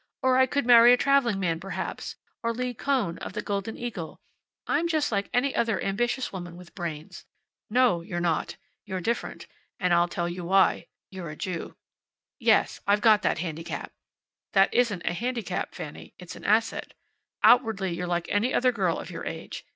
Or I could marry a traveling man, perhaps, or Lee Kohn of the Golden Eagle. I'm just like any other ambitious woman with brains " "No you're not. You're different. And I'll tell you why. You're a Jew." "Yes, I've got that handicap." "That isn't a handicap, Fanny. It's an asset. Outwardly you're like any other girl of your age.